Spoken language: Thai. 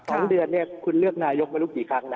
ทั้งเดือนเนี่ยคุณเลือกนายกไม่รู้กี่ครั้งแล้ว